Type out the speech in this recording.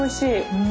うん。